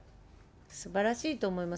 すばらしいと思います。